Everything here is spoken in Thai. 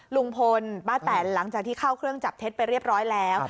ลุงพลป้าแตนหลังจากที่เข้าเครื่องจับเท็จไปเรียบร้อยแล้ว